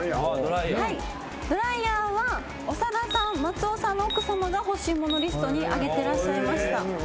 ドライヤーは長田さん松尾さんの奥さまが欲しい物リストに挙げてらっしゃいました。